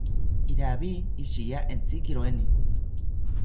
Iravid ishiya entzikiroeni